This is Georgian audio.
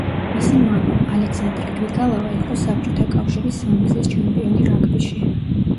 მისი მამა, ალექსანდრე გრიგალავა იყო საბჭოთა კავშირის სამგზის ჩემპიონი რაგბიში.